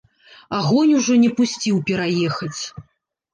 Агонь ужо не пусціў пераехаць.